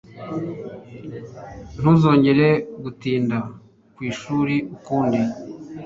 Ntuzongere gutinda kwishuri ukundi.